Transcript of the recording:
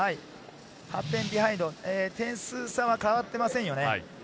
８点ビハインド、点数差は変わっていませんよね。